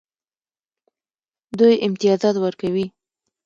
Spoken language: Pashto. دوی امتیازات ورکوي.